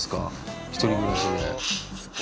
１人暮らしで。